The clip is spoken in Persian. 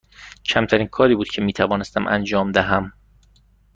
کمترین کاری بود که می توانستم انجام دهم.